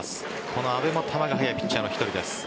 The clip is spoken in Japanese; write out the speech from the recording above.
この阿部も球が速いピッチャーの１人です。